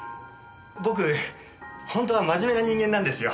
僕ほんとは真面目な人間なんですよ。